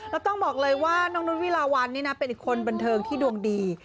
แล้วต้องบอกเลยว่าน้องนุษย์วิลาวันนี่นะเป็นอีกคนบันเทิงที่ดวงดี